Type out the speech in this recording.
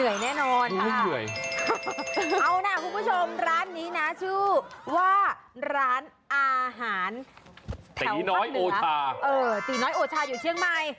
อื้อ